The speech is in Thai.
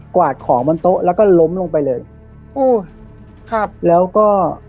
วาดของบนโต๊ะแล้วก็ล้มลงไปเลยโอ้ยครับแล้วก็